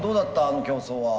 あの競争は。